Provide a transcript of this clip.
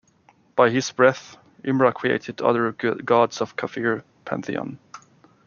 By his breath, Imra created other gods of Kafir pantheon.